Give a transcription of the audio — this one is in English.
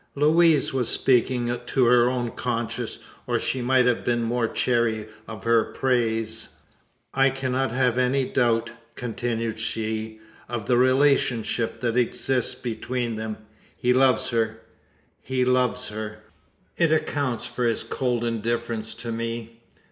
Louise was speaking to her own conscience; or she might have been more chary of her praise. "I cannot have any doubt," continued she, "of the relationship that exists between them He loves her! he loves her! It accounts for his cold indifference to me?